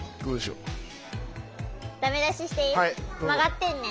曲がってんねん。